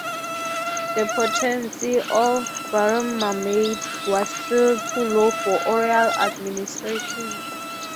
The potency of burimamide was still too low for oral administration.